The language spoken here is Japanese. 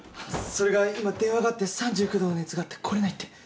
それが今電話があって３９度の熱があって来れないって。